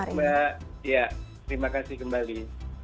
baik mbak terima kasih kembali